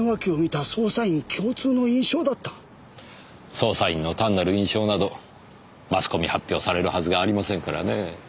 捜査員の単なる印象などマスコミ発表されるはずがありませんからねぇ。